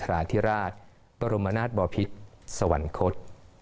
จากกรีธรรมดินศศประโรมนาทม์สวรรค์คด